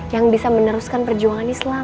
yang bisa meneruskan perjuangan islam